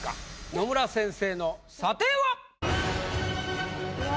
野村先生の査定は⁉うわ